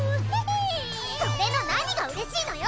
それの何がうれしいのよ